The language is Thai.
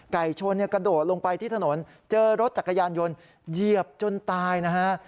ไก่ชนกระโดดลงไปที่ถนนเจอรถจักรยานยนต์เหยียบจนตายนะฮะ